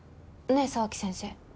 ねえ沢木先生。